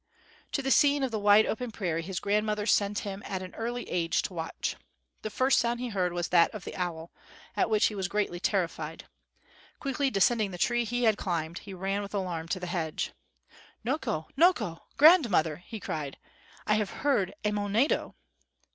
To the scene of the wide open prairie his grandmother sent him at an early age to watch. The first sound he heard was that of the owl, at which he was greatly terrified. Quickly descending the tree he had climbed, he ran with alarm to the lodge. "Noko! noko! grandmother!" he cried. "I have heard a monedo."